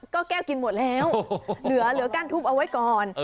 ก็แก้วกินหมดแล้วเหลือก้านทุบเอาไว้ก่อน